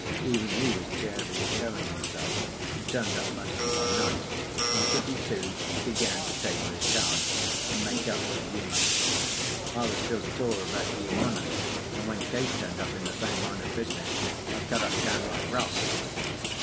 Even he was chary of showing himself, and turned up mostly by night; and pretty soon he began to table his cards and make up to Uma. I was still sore about Ioane, and when Case turned up in the same line of business I cut up downright rough.